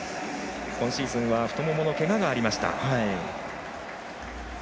今シーズンは太もものけががありました。